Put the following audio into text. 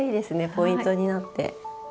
ポイントになって。